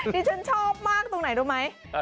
ฉันชอบมากตรงไหนรู้ไหม